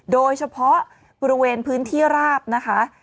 โดยเฉพาะบริเวณพื้นที่ราบนะคะ